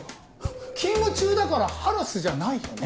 勤務中だからハラスじゃないよね？